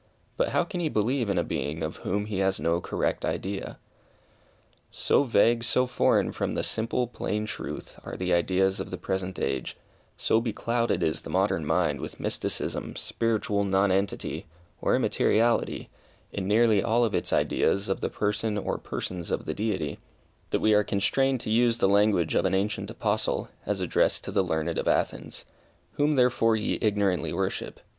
But how can he believe in a being of whom he has no correct idea? So vague, so foreign from the simple, plain truth, are the ideas of the present age, so beclouded is the modern mind with mysticism, spiritual nonentity, or immateriality in nearly all of its ideas of the person or persons of the Deity, that we are constrained to use the language of an ancient Apostle, as addressed to the learned of Athens "_Whom therefore ye ignorantly worship.